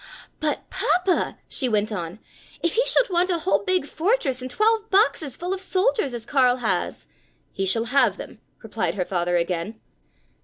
"But, Papa," she went on, "if he should want a whole big fortress and twelve boxes full of soldiers, as Karl has?" "He shall have them!" replied her father again.